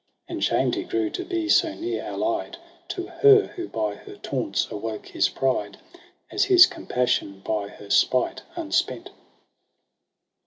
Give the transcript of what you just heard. And shamed he grew to be so near allied To her, who by her taunts awoke his pride. As his compassion by her spite imspent.